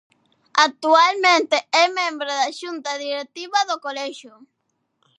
Actualmente es miembro de la Junta Directiva del Colegio.